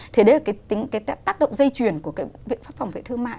thì đấy là cái tác động dây truyền của cái vụ việc phòng vệ thương mại